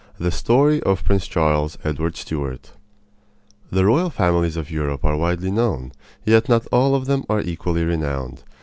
THE STORY OF PRINCE CHARLES EDWARD STUART The royal families of Europe are widely known, yet not all of them are equally renowned.